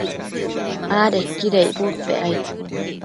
adequida icbudpec aid